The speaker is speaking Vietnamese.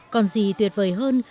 còn gì tuyệt vời hơn